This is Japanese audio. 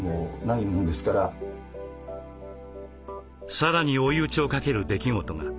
さらに追い打ちをかける出来事が。